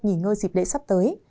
nhìn ngơ dịp đế sắp tới